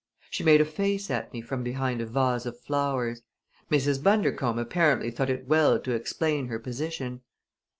She made a face at me from behind a vase of flowers. Mrs. Bundercombe apparently thought it well to explain her position.